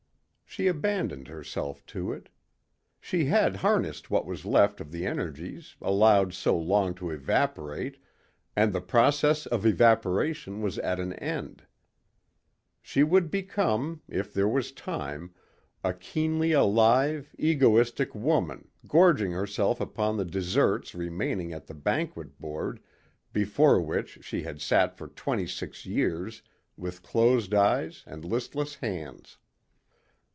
She abandoned herself to it. She had harnessed what was left of the energies allowed so long to evaporate and the process of evaporation was at an end. She would become, if there was time, a keenly alive, egoistic woman gorging herself upon the desserts remaining at the banquet board before which she had sat for twenty six years with closed eyes and listless hands.